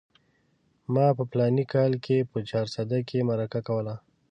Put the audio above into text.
ما په فلاني کال کې په چارسده کې مرکه کوله.